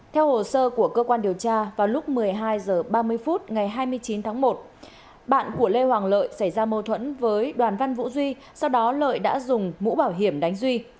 theo hồ sơ của cơ quan điều tra vào lúc một mươi hai h ba mươi phút ngày hai mươi chín tháng một bạn của lê hoàng lợi xảy ra mâu thuẫn với đoàn văn vũ duy sau đó lợi đã dùng mũ bảo hiểm đánh duy